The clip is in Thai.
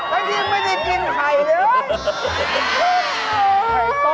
ตอนนี้ไม่ได้กินไข่เลย